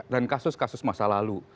dan kasus kasus masa lalu